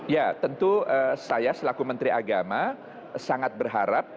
ya tentu saya selaku menteri agama sangat berharap